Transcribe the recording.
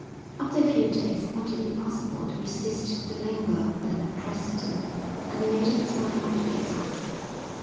After a few days he found it impossible to resist the languor that oppressed him, and he made up his mind not to get up.